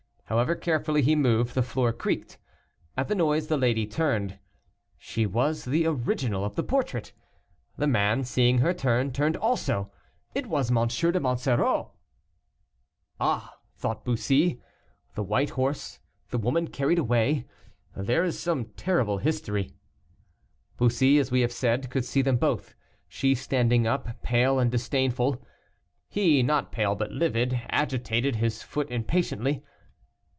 However carefully he moved, the floor creaked. At the noise the lady turned, she was the original of the portrait. The man, seeing her turn, turned also; it was M. de Monsoreau. "Ah!" thought Bussy, "the white horse, the woman carried away, there is some terrible history." Bussy, as we have said, could see them both; she, standing up, pale and disdainful. He, not pale, but livid, agitated his foot impatiently.